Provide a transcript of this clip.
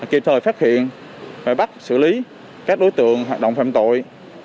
kịp thời phát hiện và bắt xử lý các đối tượng hoạt động phạm tội